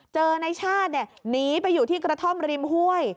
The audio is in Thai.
ในชาติหนีไปอยู่ที่กระท่อมริมห้วย